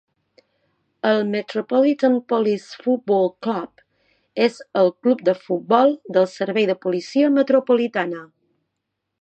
El Metropolitan Police Football Club és el club de futbol del servei de policia metropolitana.